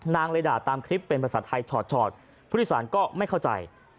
เลยด่าตามคลิปเป็นภาษาไทยชอดผู้โดยสารก็ไม่เข้าใจ